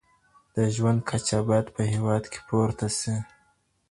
د ژوند کچه باید په هیواد کي پورته سي.